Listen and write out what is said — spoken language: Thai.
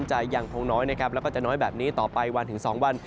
จะยังคงน้อยนะครับแล้วก็จะน้อยแบบนี้ต่อไปวันถึง๒วัน